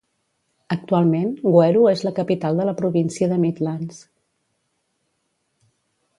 Actualment Gweru és la capital de la província de Midlands.